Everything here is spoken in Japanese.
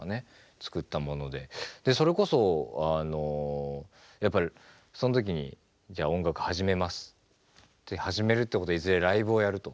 作ったものでそれこそやっぱりその時にじゃあ音楽始めますって始めるってことはいずれライブをやると。